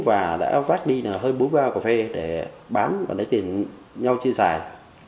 và đã vác đi hơi búi bao cà phê để bán và lấy tiền nhau chia sẻ